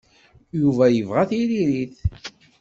Yuba yebɣa tiririt.